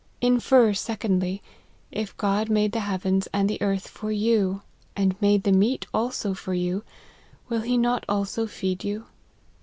Infer secondly, if God made the heavens and the earth for you, and made the meat also for you, will he not also feed you